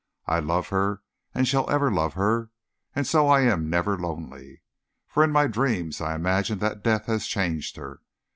I love her, and shall ever love her, and so I am never lonely. For in my dreams I imagine that death has changed her.